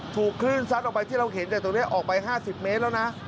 ถูกคลื่นซัดออกไปที่เราเห็นจากตรงนี้ออกไป๕๐เมตรแล้วนะ